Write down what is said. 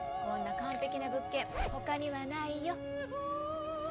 こんな完璧な物件ほかにはないよ。